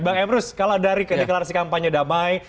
bang emrus kalau dari deklarasi kampanye damai